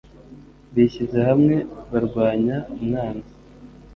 Bishyize hamwe barwanya umwanzi